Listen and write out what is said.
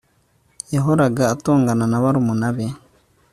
Yahoraga atongana na barumuna be